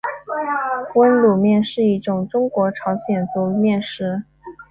温卤面是一种中国朝鲜族面食。